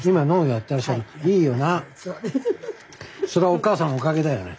それはおかあさんのおかげだよね。